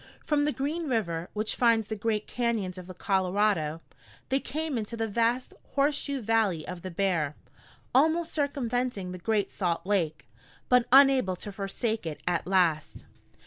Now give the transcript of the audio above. From the Green River, which finds the great cañons of the Colorado, they came into the vast horseshoe valley of the Bear, almost circumventing the Great Salt Lake, but unable to forsake it at last.